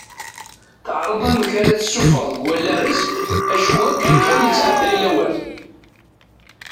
Teɛreḍ amek ara tessuffeɣ deg wallaɣ-is acku akken kan yettɛedday lawan.